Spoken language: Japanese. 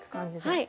はい。